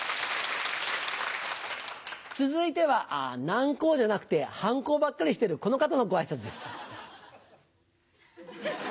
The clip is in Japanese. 続いてはナンコウじゃなくてハンコウばっかりしてるこの方のご挨拶です。